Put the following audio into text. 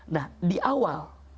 nah di awal